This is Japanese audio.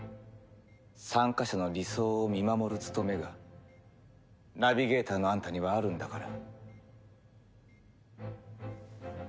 参加者の理想を見守る務めがナビゲーターのあんたにはあるんだから。